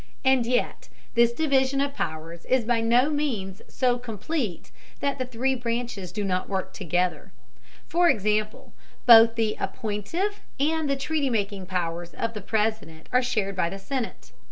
And yet this division of powers is by no means so complete that the three branches do not work together. For example, both the appointive and the treaty making powers of the President are shared by the Senate.